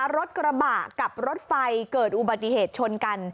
รถกระบะกับรถไฟเกิดอุบัติเหตุชนกัน